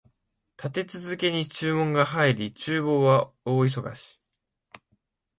立て続けに注文が入り、厨房は大忙し